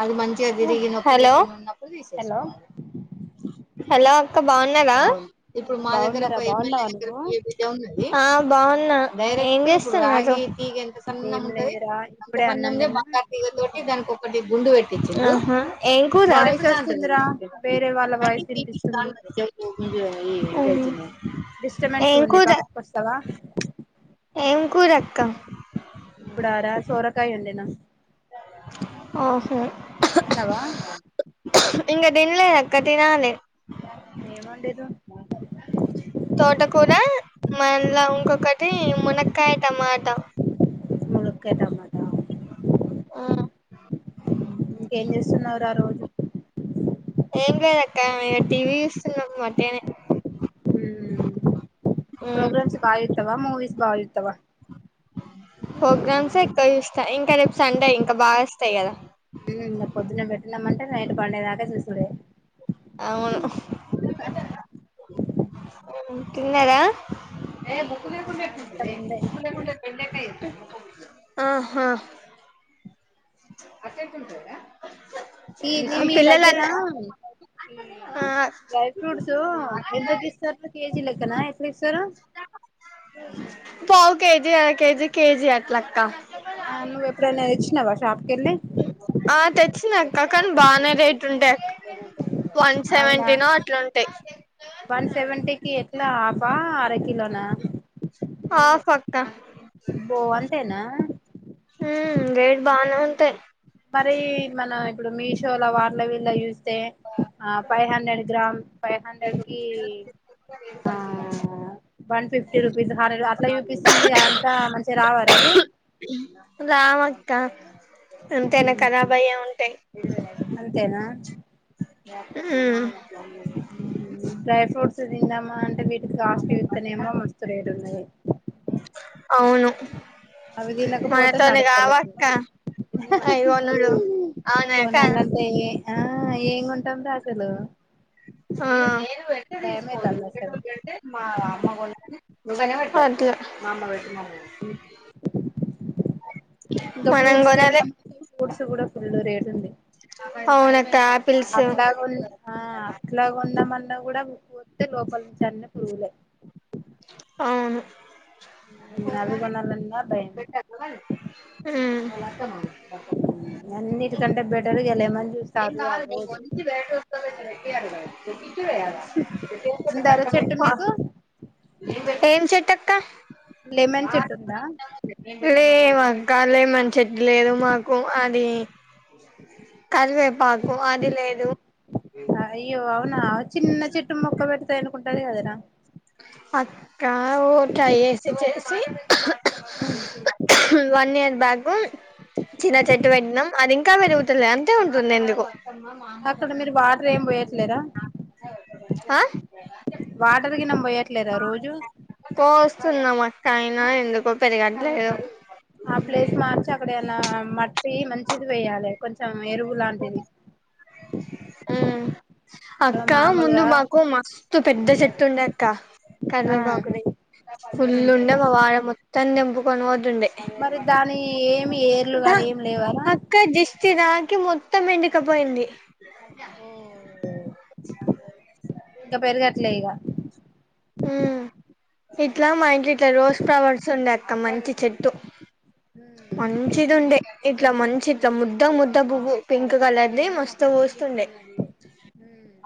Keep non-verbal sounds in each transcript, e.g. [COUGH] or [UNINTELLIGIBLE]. అది మంచిగా జరిగినప్పుడు [UNINTELLIGIBLE] అప్పుడు హలో తీసేసుకోవాలి హలో అక్క బాగున్నారా ఇప్పుడు మా దగ్గర ఒక బాగున్నారా ఎమ్మెల్యే బాగున్నావా దగ్గర నువ్వు పి. ఏ. [UNINTELLIGIBLE] పి. గా ఉన్నది. బావున్నా ఏం చేస్తునావ్ ఏం లేదురా ఇప్పుడే అన్నం తిన్నా కూర్చున్నా దానికి ఒకటి గుండు ఆహా ఏం కూర వాయిస్ వస్తుందిరా వేరే వాళ్ళ వాయిస్ వినిపిస్తుంది అవునా డిస్టర్బెన్స్ గుంది. పక్కకు వస్తావా. ఏం కూర అక్క ఇప్పుడారా సోరకాయ వండినా ఆ హొ తిన్నావా ఇంక తినలేక్క తినాలే ఏం వండిర్రు తోటకూర, మళ్ళా ఇంకొకటి మునక్కాయ టమాట. ములక్కాయ్ టమాటా. ఆహ్ ఏం చేస్తున్నావురా రోజు ఏం లేదు అక్క. ఇగా టీవీ చూస్తున్నాము. వటిగానే మ్మ్ ప్రోగ్రామ్స్ బాగా చూత్తవా, మూవీస్ బాగా చూత్తవా. ట్సే చూస్తా. ఇంకా రేపు సండే ఇంకా బాగోస్తాయి. గదా పొద్దున్నే పెట్టిన్నామంటే నైట్ పండే దకా సుస్ ప్పుడే అవును తిన్నారా ఏ బుకులే తిన్నారా ఇంత కుండెకుంటే ముందే బుకు కుండె పెళ్ెకాయ ఎస్త ఆహా అక్కే చల్పోద ఇది మీ దగ్గర ఈ ఆ డ్రై ఫ్రూట్స్ ఎంతకి ఇస్తారు. కేజీ లెక్కనా ఎట్లీస్తారు. పావు కేజీ, అర కేజీ, కేజీ అట్లక్క. ఆ నువ్వు ఎప్పుడైనా తెచ్చినావా షాప్ కెళ్ళి ఆహ్ తెత్ చినాక్క కాని బాగానే రేట్ ఉంటయాక్. వన్ అవునా సెవెంటీనో అట్లుంటాయి. కిలా అబా అర కిలో నా ఆఫ్ అక్క ఆబో అంతేనా మ్ రేట్ బానే ఉంటాయి. మరి మన ఇప్పుడు మీషోల వార్ల విళ్ళ యూస్ తే ఆ five hundred gram five hundred కి, ఆ వన్ ఫిఫ్టీ రూపీస్ హరరు అట్ల యుపిస్సుంది, అంతా మంచిగా రావా ర అవి రామక్క అంతేనా ఖరాబయ్యె ఉంటయ్. అంతేనా హు [UNINTELLIGIBLE] దిందామ అంటే వి ఇది కాస్టి విత్తనేమో మస్తు రేటున్నది. అవును నవి తినకపోతే మనతోని నడుత్తలే, కావక్క అయ్యో నుడు అవునాక కొనాలంటే ఆ ఏం కొంటామ్ ర అసలు ఆ భయమైతాంది అసలు అట్ల [UNINTELLIGIBLE] ఇదో మనం ఫ్రూట్స్ కొనాలే కెల్లమ్, ఫుట్స్ కూడా ఫుల్లు రే తుంది. అవునత్తా అట్లాగున్ అ అట్లాగున్న మన్ న్న కూడమ్ వత్తె లోపలి నుంచి అన్ని పురుగులే అవును నవి కొన్నలన్నర్ హు న్నిటికంటే బెటర్ ఇగ లెమన్ జ్యూస్ ఏం తాగుతే చాలు కాదు లే రోజు మంచి రేటు వస్సాదిలే అ ఉందారా చెట్టు మీకు ఏం చెట్టు అక్క లెమన్ చెట్టు ఉందా లె ఏం అక్క లెమన్ చెట్ట్ లేదు మాకు అది కరివేపాకు అది లేదు. అయ్యో అవునా చిన్న చెట్టు మొక్క పెడతయ్ అనుకుం డదే కదరా అక్కా ఓ ట్రై ఏసి చేసి హు వన్ ఇయర్ బ్యాకు చిన్న చెట్టు పెట్ట్నం, అది ఇంకా పెరుగుతలే అంతే ఉంటుంది ఎందుకు అక్కడ మీరు వాటర్ ఏమి పోయట్లేరా. ఆ వాటర్ గినం బొయె ట్లేదా రోజు స్తున్నాం అక్క అయినా ఎందుకో పెరగట్లేదు న్న మట్టి మంచిది వేయ్యలె కొంచెం ఎరువు లాంటిది ఉమ్ ఇప్పుడు అక్క ముందు మామూలుగా మాకు మస్తు పెద్ద చెట్టు ఉండే అక్క ఆ కరివేపాకుది ఫుల్ ఉమ్ ఉండే మా వాడ మొ త్తం తెంపుకుని పోతుండే మరి దాని ఏ మి ఏర్లు కానీ ఏం లేవారా స్టీ తాకి మొత్తం ఎండుకపోయింది ఓ ఇంకా పెరగట్లే ఇగ ఉం ఇట్లా మా ఇంట్ల ఇట్లా రోస్ ఫ్లవర్స్ ఉండే అక్క మంచి చెట్టు ఉమ్ మంచిది ఉండే ఇట్లా మంచి ఇట్లా ముద్ద ముద్ద బువ్ పింక్ క్ కలర్ ది మస్తు పూస్తుండే ఉమ్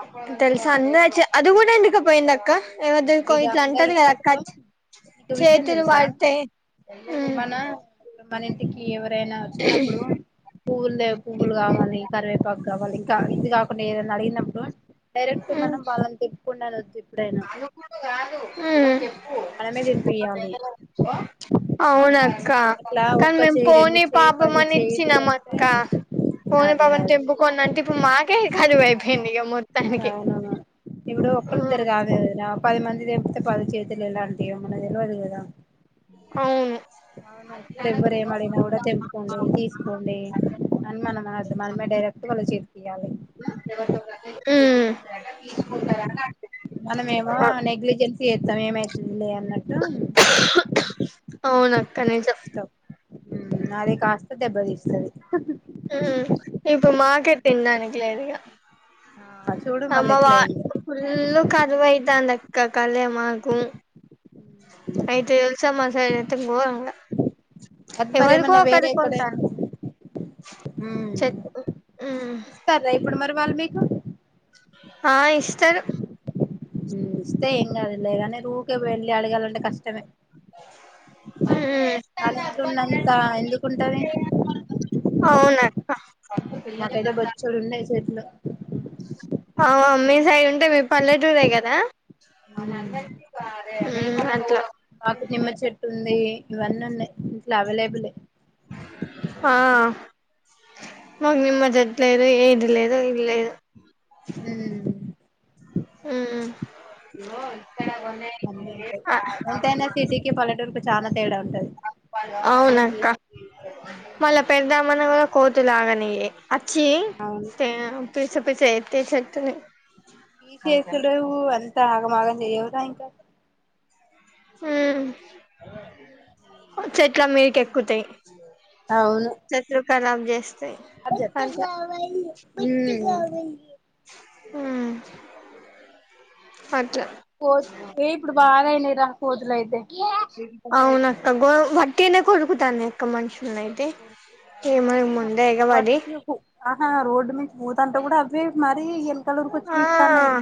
తెలుసా అందరచ్చ అదిగూడ ఎండుక పోయిందక్క ఏవదేనికో ఇగ ఇట్లా అందరు అంటది కదక్క అసలు నీకు విషయం చేతులు తెలుసా పడితే ఉం మనింటికి ఎవరై చినప్పుడు పూవ్వుల్ లేవ్ పువ్వులు కావాలి కరివేపాకు కావాలి ఇంకా ఇది కాకుండా ఏదైనా అడిగినప్పుడు డైరెక్ట్ ఉమ్ మనం వాళ్ళకి దగ్గి కుండాలోద్దిప్ ఎప్పుడైనా ఉం మనమే తినిపియాలి అవున్ అక్క అట్లా కానీ ఒక్క మేము చేయి రెండు పోనీ చేయి పాపం పది అని చేయిలు ఇచ్చినం కొడితే అక్క పోని అదే పాపం అదే తెంపుకోండి అంటే ఇప్పుడు మాకే కరువైపోయింది ఇగ మొ అవునా ఇ ఎప్పుడో ఉమ్ ఒక్కలిద్దరు కాదాయె రా పది మంది దెంపుతే పది చేతులు ఎలాంటియో మనకు తెలవదు కదా అవును అవును ఎప్పుడు ఎవ్వరు ఏమడిగినా కూడా తెంపుకోండి తీసుకోండి అని మనం అనద్దు మనమే డైరెక్ట్ వాళ్ళ చేతికీయ్యాలే ఉమ్ ఉం మనమేమో నెగ్లిజెన్స్ సమయమ అవునక్క నిజం అది కాస్త దెబ్బతీస్తది ఎప్పుడూ మాకు తినడానికి లేదిక ఆ చూడు అమ్మ మళ్ళీ వా ఎట్లా అయిందో ఫుల్లు కరువైతాంది క కలే మాకు అయితే తెల్సా మ [INAUDIBLE] సతు పోంగా అది మరి ఏమన్నా వేరే ఎక్కడైనా చెట్లు మ్మ్ ఇస్తారా ఇప్పుడు మరి వాళ్ళు మీకు ఆ ఇస్తారు ఇస్తే ఎంగాదులే గాని ఊరకే వెళ్లి అడిగాలంటే కష్టమే మ్మ్ వాళ్ళ ఇంట్లో ఉన్నంత ఎందుకుంటది అవున అక్క మాకైతే బొచ్చెడున్నయి చెట్లు అవును మీ సైడ్ ఉంటది పల్లెటూరే కదా [INAUDIBLE] ఉమ్ అన్నయికి అట్లా మాకు నిమ్మ చెట్టు ఉంది ఇవన్నీ ఉన్నయి ఇంట్లో అవైలబులే ఆ మాకు నిమ్మ చెట్టు లేదు ఏది లేదు ఇల్లు లేదు హ న ఎంతయినా సిటీకి పలెటూర్ కి చానా అవునఅక్క మళ్ళా పెద్దమ్మ కోతులాగానే అచ్చి అవును సరే పసప్ప చె ఎతే చెతు ఈ చేేసులుఊ అంత ఆగమాగం చేయవు గా ఇంకా ఉమ్ చెట్లా అమ్మెకి కెక్కుతాయి అవును కరబ్ చేస్తా అ చెప్ ఎత్తి కావాలి ఉమ్ ఆ పో ఏ ఇప్పుడు బాగ అయినాయిరా ఓద్లయితే అవునా గొడుగు వట్టేనే కొడుకుతా ఎక్క మనుషు ఎగబడి పట్టి ఆహా రోడ్డు మంచి పోతంటా కూడా అవే మరీ ఎలకలుూరుక వచ్చి ఆ పీకుతాన్నాయి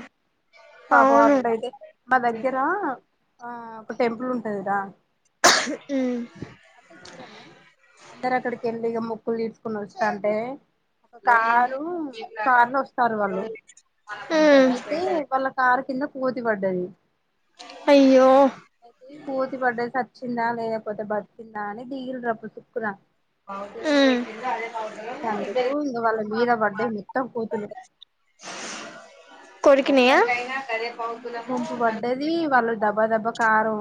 పాపం అవును అట్ల అయితే మా దగ్గరా ఆ ఇప్పుడు టెంపుల్ ఉంటది గా ఉమ్ అయితే అంత దూరమే అక్కడికిళ్లిగా మొక్కులు తీర్చుకుని వచ్చిన అంటే ఒక కారు కార్ లో వస్తారు వాళ్ళు ఉమ్ అయితే వాళ్ళ కారు కింద పోతి బడ్డది అయ్యో అయితే పోతే బడ్డది సచ్ తిన్నా లేకపోతే బట్ తిన్నా అని బిగిలు రప్పు కుర ఉమ్ ఇక అందుకు ఇక వాళ్ళ మీద పడ్డాయి మొత్తం కోతులు కొరికినయా గుంపు గుంపు పడ్డది వాళ్ళు దబ దెబ కారం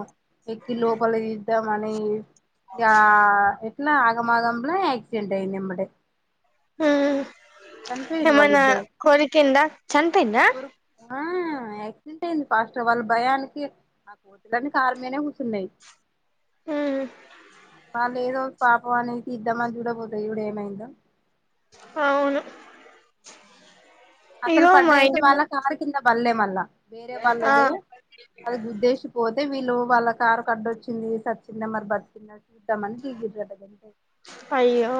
ఎక్కి లోపలికి దా మన ఈ ఎహె ఇట్లా ఆగం ఆగంల ఎక్కిండే నేం‌బడే ఊ ఏమన్నా కోరికింద చనిపోయిందా. కోరుకు ఆ ఎక్ తింటేంది ఫస్ట్ గా వాళ్ళ భయానికి ఆ కోతులన్నీ కారుమీదనే కూర్చున్నాయి. ఉమ్ బాలేదో పాపం అనేసి ఇద్దామని చూడబోతే ఇప్పుడు ఏమైందో. అవును అసలు ఇగో మా పడ్డాయి అయితే ఇంటి ము వాళ్ళ కారు కింద పల్లె మల్ల వేరే ఆ వాళ్ళది అది గుద్దేశిపోద్ తే వీళ్ళు వాళ్ళ కారుకు అడ్డు వచ్చింది. చచ్చింద మరి బతుకింద తె కొంత మంది దిగిరదదంట అయ్యో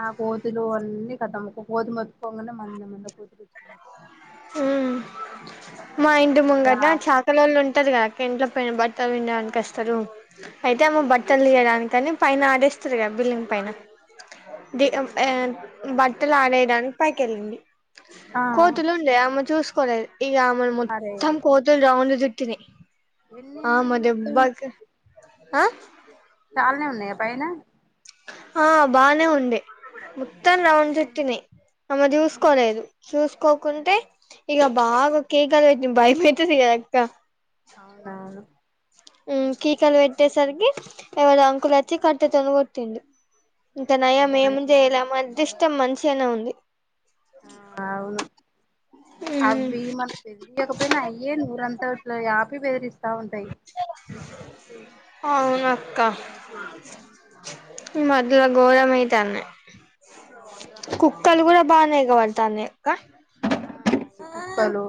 ఆ కోతులు అన్ని ఇది కథ మొత్తం కోతి మోత్తుకోంగానే మంది అంద ఆహ్ హ్మ్ కతం మా ఇంటి ఇగ ముంగట చాకలోళ్ళు ఉంటారు కదాక్క ఇంట్లో పెంబట్ ఆ వినడాన్నికివస్తారు అయితే ఆమె బట్టలు తీయడానికి కాని పైన ఆరెస్తారు కదా బిల్డింగ్ పైన దీ బట్టలు ఆరేయడానికి పైకి వెళ్ళింది ఆ కోతులు ఉండే ఆమె చూసు కోలేదు ఆమెను అరే మొత్తం కోతులు రౌండ్ జుట్టుని ఎన్నిన్ని ఆమె దెబ్బాకి ఆ చాలనే ఉన్నాయా పైనా ఆ బానే ఉండే మొత్తాం రౌండ్ అయ్యో చుట్టీనై ఆమె ఉమ్ చూస్కోలేదు చూస్కోకుంటే సరే ఇగ బాగ కేకలు పెట్టింది భయమైతది కదా అక్క అవునువును హ్మ్ కీకలు పెట్టేసరికి ఎవరు ఉమ్ అంకులుచ్చి కట్టి తో నే కోట్ తిండు ఇంత అదే నయం ఏమి మంచి పని చేయలే చేసింది అదృష్టం మంచిగానే ఉం ఆ ఆ అవును అవి మనం బెదిరియకపోయినా అయ్యే నూరంతా అట్లా ఆపి బెదిరిస్ త్తా ఉంటాయి అవునా లేదే హ్మ్ హు చాలా కొరమైతండా అవునురా కుక్కలు కూడా బాగానే ఎగ బడతాండి క ఉప్పలు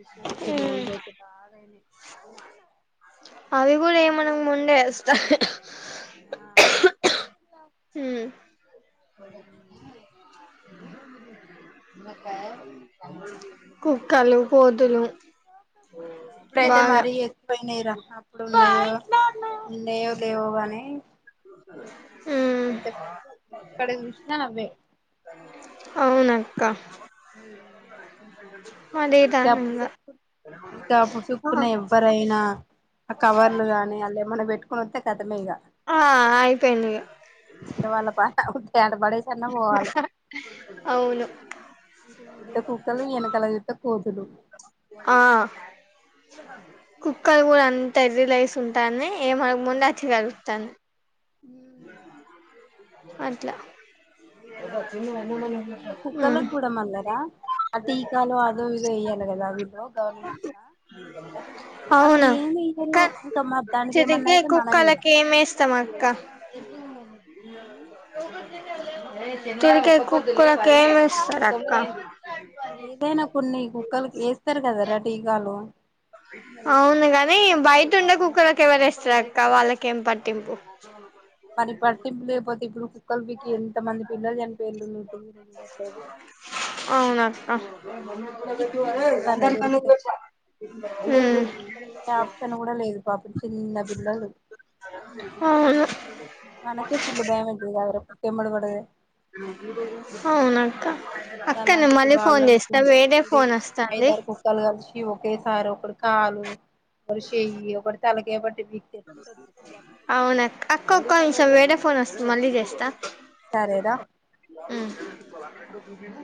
ఈ కోతులు [UNINTELLIGIBLE] బాధ అయింది ఆహాహా అవి గూడ ఏమ ముందే ఎస్త ఆ [UNINTELLIGIBLE] ఉమ్, [INAUDIBLE] ఉన్నాయి. కుక్కలు పోదులు ఇప్పుడైతే మరీ ఎసిపోయినాయిరా అప్పుడు న నేవు లేవుగాని అ బైటప్పుడు ఎక్కడ చూసినా అవ్వే అవునక్క [INAUDIBLE] ఇంకా అప్పు చు మదేదానంగా ఇంకా అప్పు ఆ చుక్కన ఎవ్వరైనా ఆ కవర్లు గానీ అల్ల ఏమన్నా పెట్టుకు. క్రొత్త కతమే ఇగ ఆ అయిపొయిందిగ ఇళ వాళ్ళ పాట హుద్ [UNINTELLIGIBLE] పడేసన్న పోవాలె అవును కుక్కలు ఎనకల [INAUDIBLE] పోదులు ఆ కుక్కది కూడా అన్ తెర్రి లేసి ఉంటాన్నాయ్ ఏమ ముందాచి కలుగుతాను అట్ల ఈ హ్మ్ కుక్కలకి గూడా మళ్లరా ఆ టీకాలో అదో ఇదో ఎయ్యాలి గదా వీళు గవర్నమెంట్ల అవునా కన్ ఇంకా చిరిగే దానికేమన్నయితే మనం ఇగ కుక్కలకి ఏమేస్తాం అక్క [INAUDIBLE] తిరికే కుక్కలకి ఏమేస్తారు అక్క ఏదైనా కొన్ని కుక్కలకి ఏస్తారు కదరా టీకాలు అవును గని బయటుండే కుక్కలకి ఎవరేస్తారక్క వాళ్ళకేం పట్టింపు పనిపట్టింపులేపోతే ఇప్పుడు ముక్కల్ పికి ఎంత మంది పిల్లలు చనిపొయిండ్రు అవునక్క పీక్ పీక్ పెడతాన్నాయ్ దొరుకుతే, హ్మ్ ఇక వేరే ఆప్షన్ గుడ లేదు పాపం చిన్న పిల్లలు అవును మనకే ఫుల్లు భయం అయితది గదరా. ఎమ్మడబడదే అవునక్క అక్క నేను ఇంగలాంటిది మళ్ళీ వాళ్ళ ఫోన్ చేస్తా వేరే అనుకుంటూడి ఫోన్ వస్తాంది ఐదారు కుక్కలు కలిషి ఒక్ ఈ సార్ ఒకడు కాలు ఒక షెయ్యి ఒకటి తల యొకటి అవునాక్ అక్క ఒక్క నిమిషం వేరే ఫోన్ వస్తుంది మళ్ళీ చేస్తా సరేరా హ్మ్